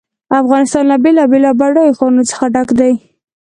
افغانستان له بېلابېلو او بډایه ښارونو څخه ډک دی.